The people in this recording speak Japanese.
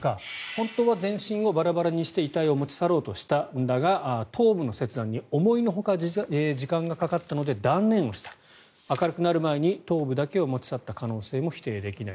本当は全身をバラバラにして遺体を持ち去ろうとしたんだが頭部の切断に思いのほか時間がかかったので断念をした明るくなる前に頭部だけを持ち去った可能性も否定できない。